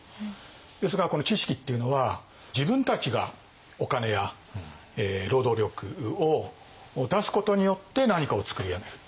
ですがこの智識っていうのは自分たちがお金や労働力を出すことによって何かをつくり上げる。